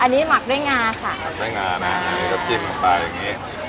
อันนี้หมักด้วยงาค่ะหมักด้วยงาน่ะอันนี้ก็จิ้มออกไปอย่างเงี้ย